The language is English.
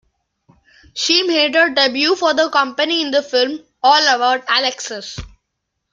She made her debut for the company in the film "All About Alexis".